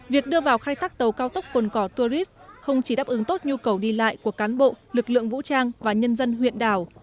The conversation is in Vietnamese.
việc đưa vào khai thác tàu cao tốc cồn cỏ tourist không chỉ đáp ứng tốt nhu cầu đi lại của cán bộ lực lượng vũ trang và nhân dân huyện đảo